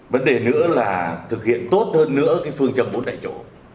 vấn đề nữa là thực hiện tốt hơn nữa phương châm bốn tại chỗ